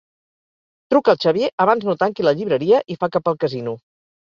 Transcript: Truca al Xavier abans no tanqui la llibreria i fa cap al casino.